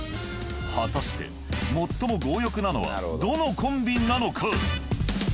果たして最も強欲なのはどのコンビなのか？